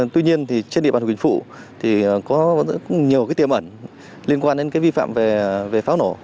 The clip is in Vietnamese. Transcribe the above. tuy nhiên trên địa bàn hội quý phụ có nhiều tiềm ẩn liên quan đến vi phạm về pháo nổ